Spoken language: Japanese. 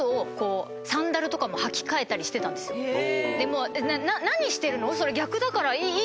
でもう「何してるの？それ」。